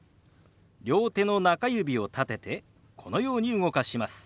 両手の中指を立ててこのように動かします。